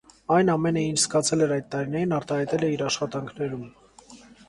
Այն ամենը, ինչ զգացել էր այդ տարիներին, արտահայտել է իր աշխատանքներում։